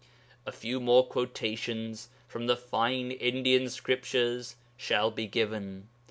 A few more quotations from the fine Indian Scriptures shall be given.